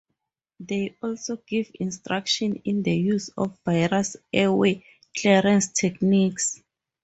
They also give instruction in the use of various airway clearance techniques.